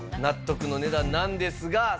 納得の値段なんですが。